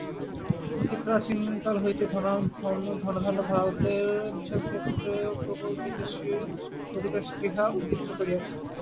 অতি প্রাচীনকাল হইতেই ধনধান্যপূর্ণ ভারতের বিশাল ক্ষেত্র প্রবল বিদেশীর অধিকারস্পৃহা উদ্দীপিত করিয়াছে।